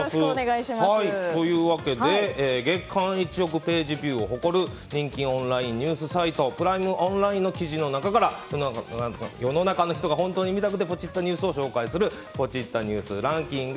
というわけで月間１億ページビューを誇る人気オンラインニュースサイトプライムオンラインの記事の中から世の中の人が本当に見たくてポチッたニュースを紹介するポチッたニュースランキング。